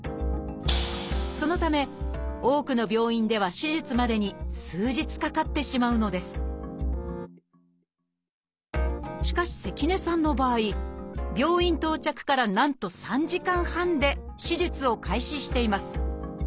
そのため多くの病院では手術までに数日かかってしまうのですしかし関根さんの場合病院到着からなんと３時間半で手術を開始しています。